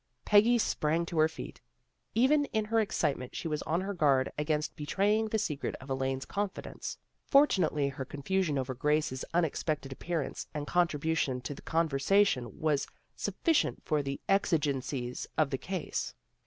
Peggy sprang to her feet. Even in her ex citement she was on her guard against be traying the secret of Elaine's confidence. For tunately her confusion over Grace's unexpected appearance and contribution to the conver sation was sufficient for the exigencies of the case.